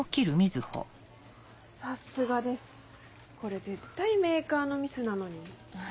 さすがですこれ絶対メーカーのミスなのに。